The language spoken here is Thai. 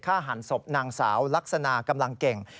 หันศพนางสาวลักษณะกำลังเก่ง